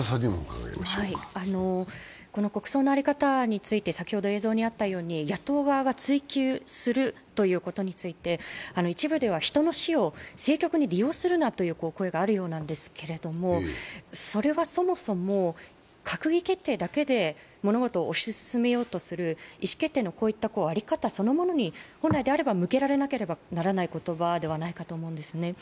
国葬の在り方について、先ほど映像にあったように、野党側が追及することについて一部では人の死を政局に利用するなという声があるようなんですけれどもそれはそもそも、閣議決定だけで物事をおし進めようとする、意思決定の在り方そのものに本来であれば向けられなければならない言葉だと思うんですよね。